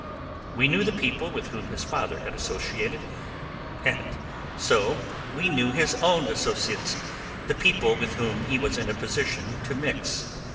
We knew the people with whom his father had associated, and so we knew his own associates, the people with whom he was 'in a position to mix.'